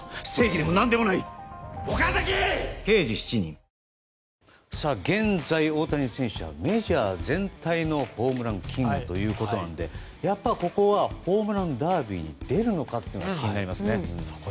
お申込みは現在、大谷選手はメジャー全体のホームランキングということなのでやっぱりここはホームランダービーに出るのかどうか気になりますね。